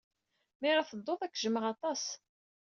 Mi ara tedduḍ, ad k-jjmeɣ aṭas.